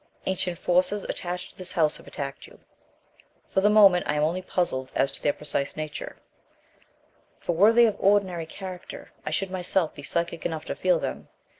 Ancient forces attached to this house have attacked you. For the moment I am only puzzled as to their precise nature; for were they of an ordinary character, I should myself be psychic enough to feel them.